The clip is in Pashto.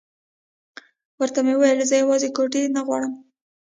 ورته مې وویل زه یوازې کوټه نه غواړم.